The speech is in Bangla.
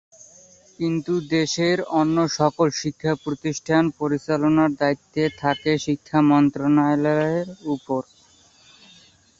কিন্তু দেশের অন্য সকল শিক্ষা প্রতিষ্ঠান পরিচালনার দায়িত্ব থাকে শিক্ষা মন্ত্রণালয়ের ওপর।